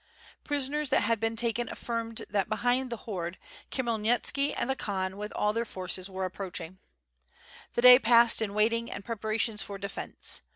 Prisoners that had been taken afBrmed that biehind the horde, Khmyelnitski and the Khan with all their forces were approaching. The day passed in waiting and preparations for defence.